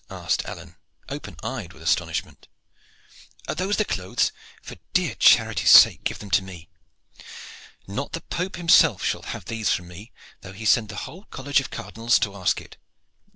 asked Alleyne, open eyed with astonishment. "Are those the clothes? For dear charity's sake give them to me. Not the Pope himself shall have these from me, though he sent the whole college of cardinals to ask it.